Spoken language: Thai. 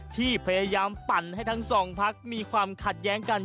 ที่พยายามปั่นให้ทั้งสองพักมีความขัดแย้งกัน